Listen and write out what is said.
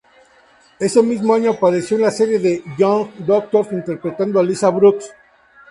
Ese mismo año apareció en la serie "The Young Doctors" interpretando a Lisa Brooks.